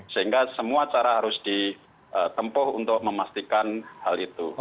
sehingga semua cara harus ditempuh untuk memastikan hal itu